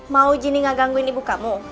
mau gini nggak gangguin ibu kamu